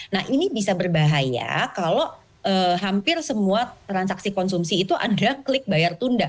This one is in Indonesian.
nah ini bisa berbahaya kalau hampir semua transaksi konsumsi itu ada klik bayar tunda